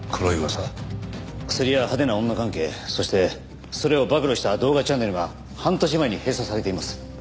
クスリや派手な女関係そしてそれを暴露した動画チャンネルが半年前に閉鎖されています。